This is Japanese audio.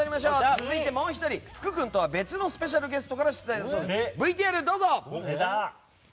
続いて、もう１人福君とは別のスペシャルゲストから出題ＶＴＲどうぞ！